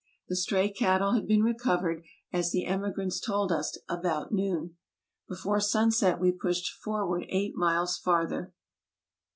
The stray cattle had been recovered, as the emigrants told us, about noon. Before sunset we pushed forward eight miles farther.